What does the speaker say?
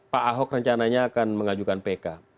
pak ahok rencananya akan mengajukan pk